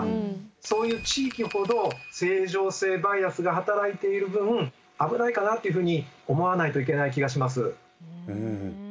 そういう地域ほど正常性バイアスが働いている分危ないかなというふうに思わないといけない気がします。